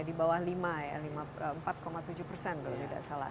di bawah lima ya empat tujuh persen kalau tidak salah